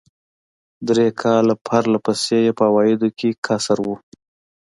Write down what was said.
درې کاله پر له پسې یې په عوایدو کې کسر و.